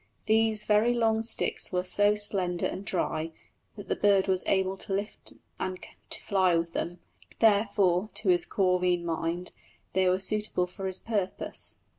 These very long sticks were so slender and dry that the bird was able to lift and to fly with them; therefore, to his corvine mind, they were suitable for his purpose.